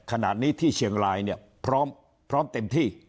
ขณะนี้ที่เชียงรายเนี่ยพร้อมเต็มที่